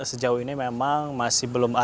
sejauh ini memang masih belum ada